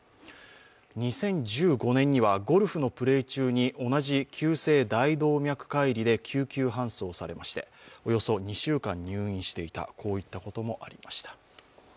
２０１５年にはゴルフのプレー中に同じ急性大動脈解離で救急搬送されましておよそ２週間入院していた、こういったこともありました。